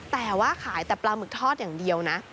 แต่ว่าขายแต่ปลาหมึกทอดอย่างเดียวนะ